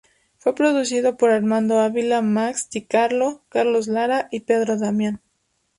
Fue producido por Armando Ávila, Max di Carlo, Carlos Lara y Pedro Damián.